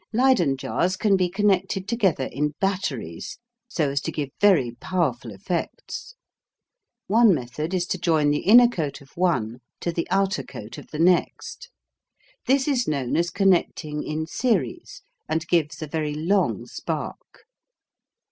Leyden jars can be connected together in "batteries," so as to give very powerful effects. One method is to join the inner coat of one to the outer coat of the next. This is known as connecting in "series," and gives a very long spark.